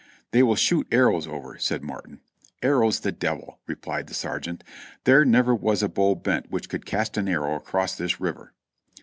"They will shoot arrows over," said Martin. "Arrows, the devil !" replied the sergeant ; "there never was a bow bent which could cast an arrow across this river."